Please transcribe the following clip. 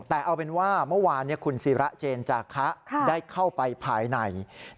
แต่เอาเป็นว่าเมื่อวานคุณศิระเจนจาคะได้เข้าไปภายใน